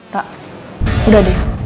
tak udah deh